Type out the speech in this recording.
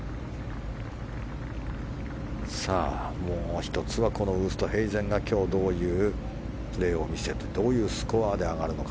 もう１つはウーストヘイゼンが今日、どういうプレーを見せてどういうスコアで上がるか。